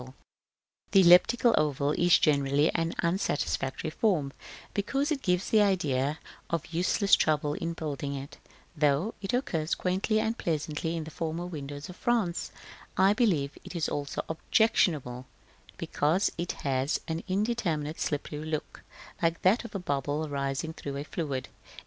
Also, the elliptical oval is generally an unsatisfactory form, because it gives the idea of useless trouble in building it, though it occurs quaintly and pleasantly in the former windows of France: I believe it is also objectionable because it has an indeterminate, slippery look, like that of a bubble rising through a fluid.